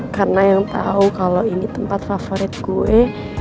karena yang tau kalo ini tempat favorit gue